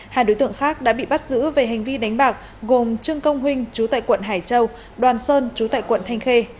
hai đối tượng khác đã bị bắt giữ về hành vi đánh bạc gồm trương công huynh chú tại quận hải châu đoàn sơn chú tại quận thanh khê